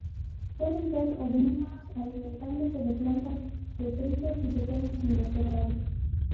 Suelen ser omnívoros, alimentándose de plantas, detritos y pequeños invertebrados.